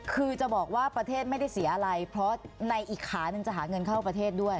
คือจะบอกว่าประเทศไม่ได้เสียอะไรเพราะในอีกขาหนึ่งจะหาเงินเข้าประเทศด้วย